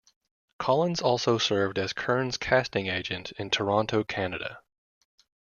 Collins also serves as Kern's casting agent in Toronto, Canada.